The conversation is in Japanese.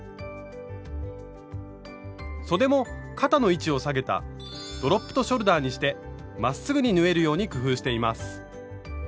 そでも肩の位置を下げた「ドロップトショルダー」にしてまっすぐに縫えるように工夫しています。